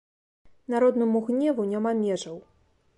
Народнаму гневу няма межаў.